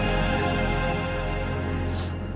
tidak ada suara orang nangis